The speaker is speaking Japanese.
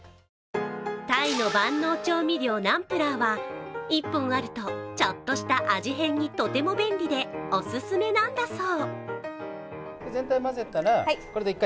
タイの万能調味料、ナンプラーは１本あるとちょっとした味変にとても便利でオススメなんだそう。